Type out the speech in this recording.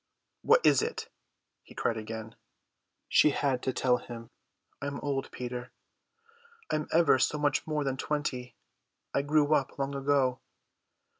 "What is it?" he cried again. She had to tell him. "I am old, Peter. I am ever so much more than twenty. I grew up long ago."